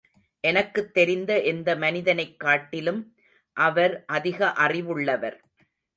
எனக்குத் தெரிந்த எந்த மனிதனைக் காட்டிலும், அவர் அதிக அறிவுள்ளவர்.